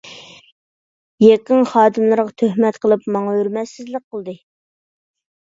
يېقىن خادىملىرىغا تۆھمەت قىلىپ، ماڭا ھۆرمەتسىزلىك قىلدى.